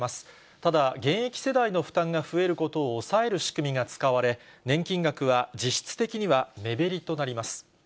ただ、現役世代の負担が増えることを抑える仕組みが使われ、年金額は実質的には目減りとなります。